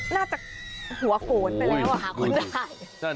น่าจะหัวโฝนไปแล้วหาคนได้